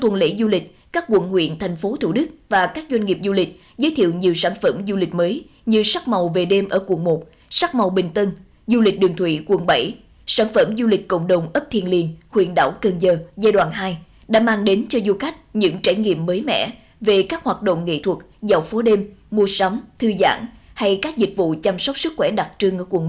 trong tuần lễ du lịch các quận nguyện thành phố thủ đức và các doanh nghiệp du lịch giới thiệu nhiều sản phẩm du lịch mới như sắc màu về đêm ở quận một sắc màu bình tân du lịch đường thủy quận bảy sản phẩm du lịch cộng đồng ấp thiên liền huyện đảo cơn giờ giai đoạn hai đã mang đến cho du khách những trải nghiệm mới mẻ về các hoạt động nghệ thuật dạo phố đêm mua sắm thư giãn hay các dịch vụ chăm sóc sức khỏe đặc trưng ở quận một